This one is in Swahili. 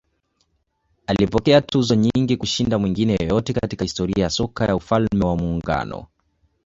Alipokea tuzo nyingi kushinda mwingine yeyote katika historia ya soka ya Ufalme wa Muungano.